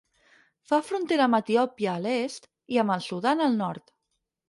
Fa frontera amb Etiòpia a l'est i amb el Sudan al nord.